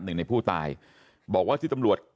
หนึ่งในผู้ตายบอกว่าที่ตำรวจ